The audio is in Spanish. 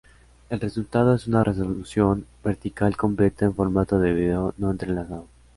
El resultado es una resolución vertical completa en formato de video no entrelazado.